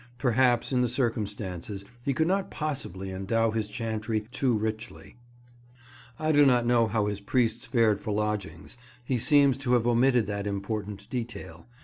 Perhaps, in the circumstances, he could not possibly endow his chantry too richly. I do not know how his priests fared for lodgings. He seems to have omitted that important detail.